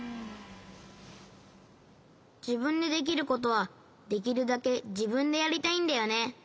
じぶんでできることはできるだけじぶんでやりたいんだよね。